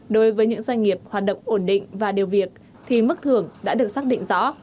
đối với những doanh nghiệp hoạt động ổn định và điều việc thì mức thưởng đã được xác định rõ